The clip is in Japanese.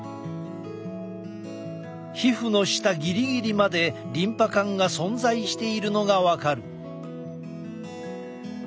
皮膚の下ギリギリまでリンパ管が存在しているのが分かる。